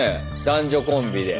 男女コンビで。